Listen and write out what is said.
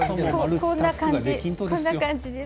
こんな感じです。